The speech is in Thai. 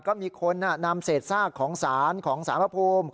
ก็มีคนนำเศษซากของศาลของสารพระภูมิ